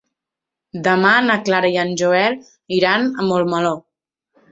Demà na Clara i en Joel iran a Montmeló.